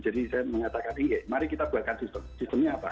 jadi saya mengatakan iya mari kita buatkan sistemnya apa